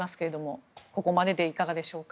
ここまででいかがでしょうか。